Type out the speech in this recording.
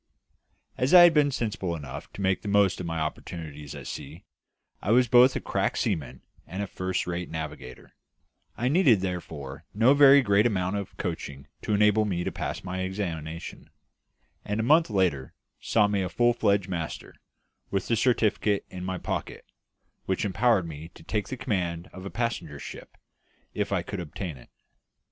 As I had been sensible enough to make the most of my opportunities at sea, I was both a crack seaman and a first rate navigator; I needed therefore no very great amount of coaching to enable me to pass my examination; and a month later saw me a full fledged master, with a certificate in my pocket, which empowered me to take the command of a passenger ship, if I could obtain it.